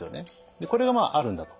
でこれがまああるんだと。